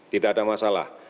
tidak ada masalah